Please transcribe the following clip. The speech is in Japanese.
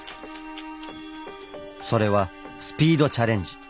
それは「スピードチャレンジ」。